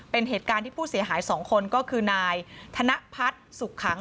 เป็นเหตุการณ์ที่ผู้เสียหาย๒คนก็คือไนทนพสุขัง